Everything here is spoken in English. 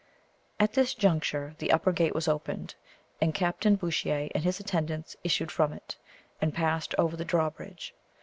At this juncture the upper gate was opened, and Captain Bouchier and his attendants issued from it, and passed over the drawbridge.